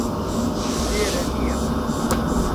لێرە نییە